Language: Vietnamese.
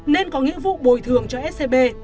nên có nghĩa vụ bồi thường cho scb